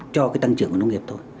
cho tăng trưởng của nông nghiệp thôi